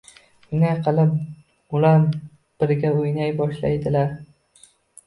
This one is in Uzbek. Shunday qilib ular birga o‘ynay boshlaydilar